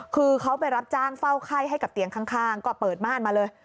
คือเขาไปรับจ้างเฝ้าไข้ให้กับเตียงข้างก็เปิดม่านมาเลย